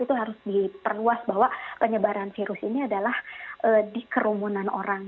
itu harus diperluas bahwa penyebaran virus ini adalah di kerumunan orang